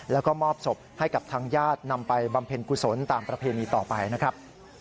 แล้วก็มอบศพให้กับทางญาตินำไปบำเพ็ญกุศลตามประเพณีต่อไปนะครับ